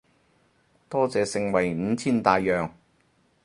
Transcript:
多謝盛惠五千大洋